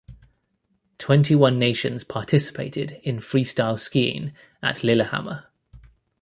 Twenty-one nations participated in freestyle skiing at Lillehammer.